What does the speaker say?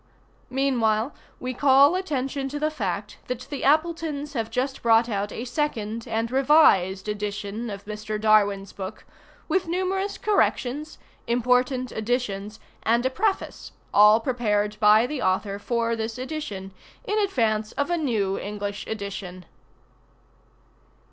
Meanwhile, we call attention to the fact, that the Appletons have just brought out a second and revised edition of Mr. Darwin's book, with numerous corrections, important additions, and a preface, all prepared by the author for this edition, in advance of a new English edition.